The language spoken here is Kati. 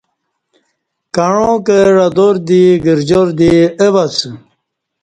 کعاں کں عدار دی گرجار دی او اسہ